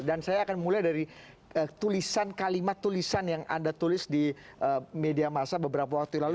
dan saya akan mulai dari tulisan kalimat tulisan yang anda tulis di media masa beberapa waktu lalu